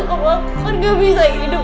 apa aku kan gak bisa hidup